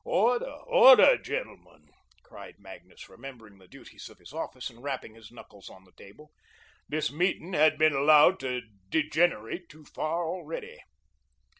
"Order, order, gentlemen," cried Magnus, remembering the duties of his office and rapping his knuckles on the table. "This meeting has been allowed to degenerate too far already."